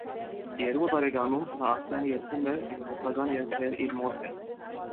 Երկու տարեկանում նա արդեն երգում էր եկեղեցական երգեր իր մոր հետ։